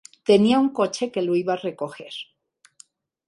Tenía un coche que lo iba a recoger.